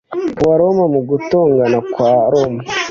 Ku Baroma mu gutongana kwa Roma